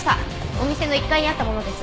お店の１階にあったものです。